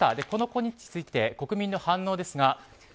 このことについて国民の反応です。